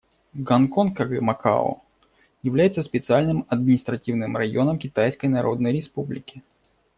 Гонконг, как и Макао, является специальным административным районом Китайской Народной Республики.